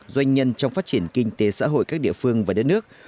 doanh nhân trong phát triển kinh tế xã hội các địa phương và đất nước